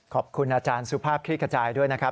ขอบคุณอาจารย์สุภาพคลิกกระจายด้วยนะครับ